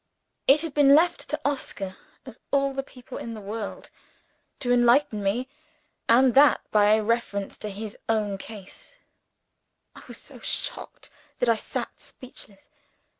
It had been left to Oscar, of all the people in the world, to enlighten me and that by a reference to his own case! I was so shocked that I sat speechless.